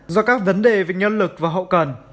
do các vấn đề về nhân lực và hậu cần